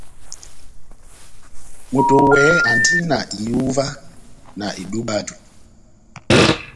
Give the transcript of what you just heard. Moto wɛhɛ andi na ihúwa na edub'aju.